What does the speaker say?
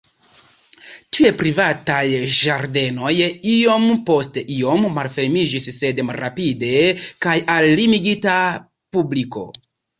Tiuj privataj ĝardenoj iom post iom malfermiĝis sed malrapide kaj al limigita publiko.